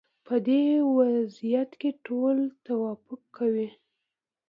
په دې وضعیت کې ټول توافق کوي.